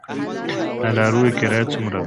د لاریو کرایه څومره ده؟